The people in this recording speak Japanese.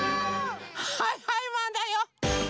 はいはいマンだよ。